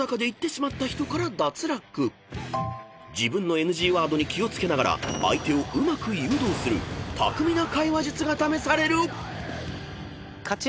［自分のＮＧワードに気を付けながら相手をうまく誘導する巧みな会話術が試される］